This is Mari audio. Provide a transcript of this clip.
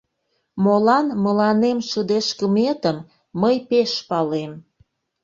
Молан мыланем шыдешкыметым мый пеш палем.